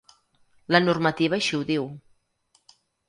La normativa així ho diu.